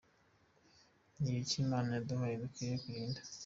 Ni ibiki Imana yaduhaye dukwiriye kurinda?.